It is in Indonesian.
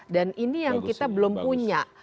dan ini yang kita belum punya